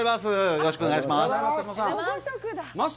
よろしくお願いします。